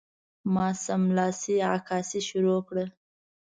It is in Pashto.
ما سملاسي عکاسي شروع کړه.